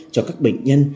cho các bệnh nhân